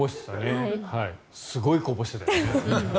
すごいこぼしてたよね。